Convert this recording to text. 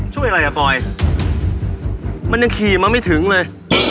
ช่วยอะไรอ่ะปลอยมันยังขี่มาไม่ถึงเลย